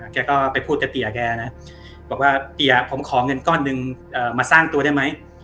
แกก็ไปพูดกับเตี๋ยแกนะบอกว่าเตี๋ยผมขอเงินก้อนหนึ่งมาสร้างตัวได้ไหม